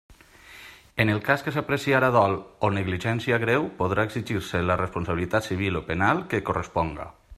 En el cas que s'apreciara dol o negligència greu podrà exigir-se la responsabilitat civil o penal que corresponga.